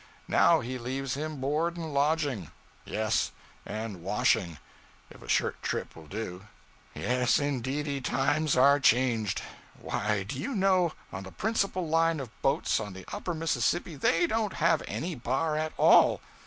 Now he leaves him board and lodging; yes, and washing, if a shirt a trip will do. Yes, indeedy, times are changed. Why, do you know, on the principal line of boats on the Upper Mississippi, they don't have any bar at all!